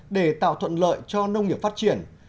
để tạo thuận lợi cho nông nghiệp phát triển